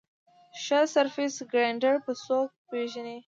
ښه سرفېس ګرېنډر به څوک پېژني ؟